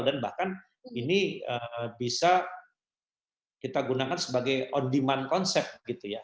dan bahkan ini bisa kita gunakan sebagai on demand concept gitu ya